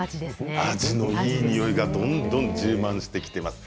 あじのいいにおいがどんどん充満してきています。